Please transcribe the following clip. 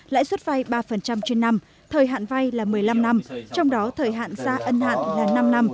lãi suất vay ba trên năm thời hạn vay là một mươi năm năm trong đó thời hạn gia ân hạn là năm năm